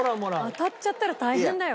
当たっちゃったら大変だよ。